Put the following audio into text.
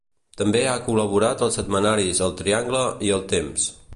També ha col·laborat als setmanaris El Triangle i El Temps.